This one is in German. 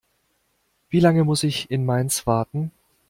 Wie lange muss ich in Mainz warten?